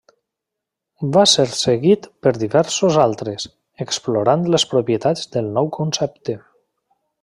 Va ser seguit per diversos altres, explorant les propietats del nou concepte.